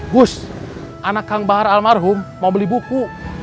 gus anak kang bahar almarhum mau beli buku